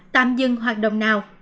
tạm dừng hoạt động nào